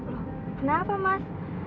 loh kenapa mas